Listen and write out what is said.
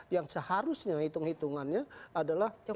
yang seharusnya hitung hitungannya